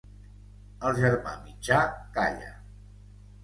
El germà mitjà calla.